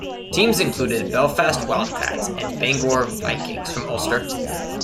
Teams included Belfast Wildcats and Bangor Vikings from Ulster.